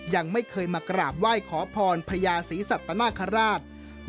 ยังไม่เคยมากราบไหว้ขอพรพญาศรีสัตนาคาราช